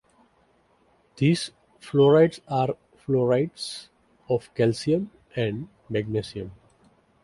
These fluorides are fluorides of calcium and magnesium.